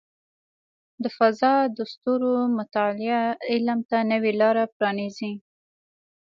د فضاء د ستورو مطالعه علم ته نوې لارې پرانیزي.